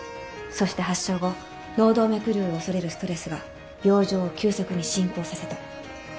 そして発症後脳動脈瘤を恐れるストレスが病状を急速に進行させた。